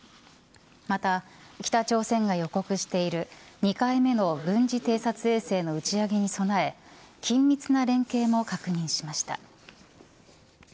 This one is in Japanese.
また、北朝鮮が予告している２回目の軍事偵察衛星の打ち上げに備え緊密な連携も確認しました。